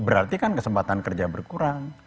berarti kan kesempatan kerja berkurang